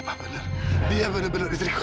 apa benar dia benar benar risiko